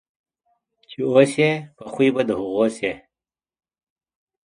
چې اوسې په خوی په د هغو سې.